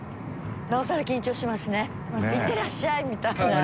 「いってらっしゃい」みたいな。